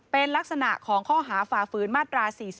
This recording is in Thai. เป็นลักษณะของข้อหาฝ่าฝืนมาตรา๔๔